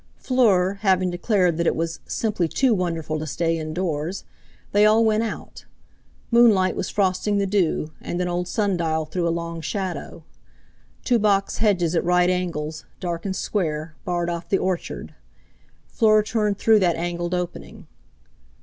Fleur having declared that it was "simply too wonderful to stay indoors," they all went out. Moonlight was frosting the dew, and an old sundial threw a long shadow. Two box hedges at right angles, dark and square, barred off the orchard. Fleur turned through that angled opening.